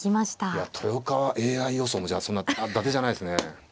いや豊川ＡＩ予想もじゃあそんなだてじゃないですね。